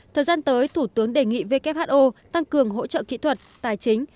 thời gian tới thủ tướng đề nghị who tăng cường hỗ trợ kỹ thuật tài chính